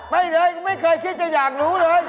ไม่เลยไม่เคยคิดจะอยากรู้เลย